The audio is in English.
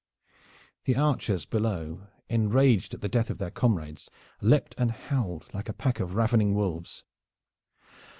The archers below, enraged at the death of their comrades, leaped and howled like a pack of ravening wolves.